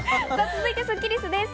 続いてスッキりすです。